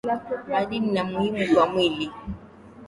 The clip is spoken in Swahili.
Madini ni muhimu kwa mwili